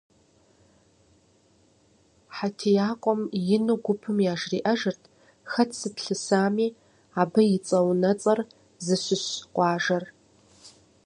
ХьэтиякӀуэм ину гупым яжриӀэжырт хэт сыт лъысами, абы и цӀэ-унуэцӀэр, зыщыщ къуажэр.